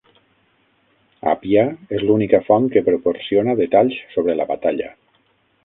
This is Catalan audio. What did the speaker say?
Apià és l'única font que proporciona detalls sobre la batalla.